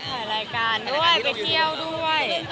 ถ่ายรายการด้วยไปเที่ยวด้วย